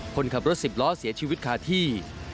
คนขับรถสิบล้อเสียชีวิตคาที่